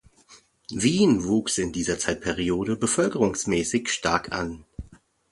Wien wuchs in dieser Zeitperiode bevölkerungsmäßig stark an.